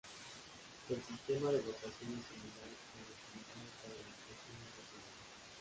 El sistema de votación es similar al utilizado para las elecciones regionales.